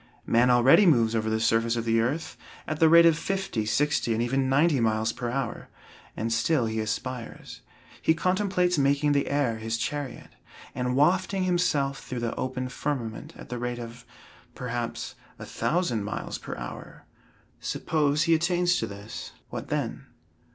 Man already moves over the surface of the earth at the rate of fifty, sixty, and even ninety miles per hour, and still he aspires. He contemplates making the air his chariot, and wafting himself through the open firmament at the rate of, perhaps, a thousand miles per hour. Suppose he attains to this, what then?